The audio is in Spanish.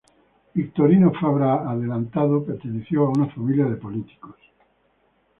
Victorino Fabra Adelantado perteneció a una familia de políticos.